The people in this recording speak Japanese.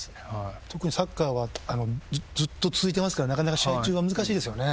特にサッカーはずっと続いてますからなかなか試合中は難しいですよね。